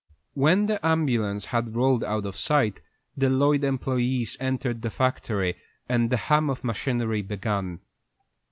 When the ambulance had rolled out of sight, the Lloyd employés entered the factory, and the hum of machinery began.